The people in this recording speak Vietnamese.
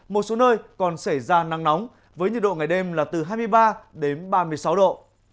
một số nơi còn xảy ra nắng nóng với nhiệt độ ngày đêm là từ hai mươi ba đến ba mươi sáu độ